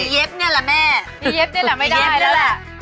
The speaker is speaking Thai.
เย็บนี่แหละแม่มีเย็บนี่แหละไม่ได้แล้วแหละ